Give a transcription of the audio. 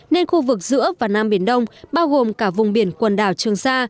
nên khu vực giữa và nam biển đông bao gồm cả vùng biển quần đảo trường sa